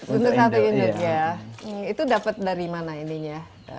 untuk satu induk ya itu dapat dari mana ini ya